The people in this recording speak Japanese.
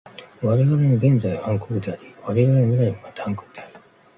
われわれの現在は暗黒であり、われわれの未来もまた暗黒である。